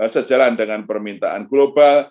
sejalan dengan permintaan global